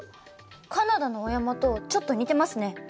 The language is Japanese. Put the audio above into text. カナダのお山とちょっと似てますね。